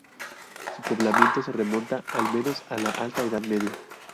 Su poblamiento se remonta al menos a la alta edad media.